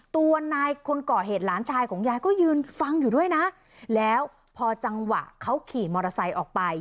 ตัวนายคนก่อเหตุหลานชายของยายก็ยืนฟังอยู่ด้วยนะแล้วพอจังหวะเขาขี่มอเตอร์ไซค์ออกไป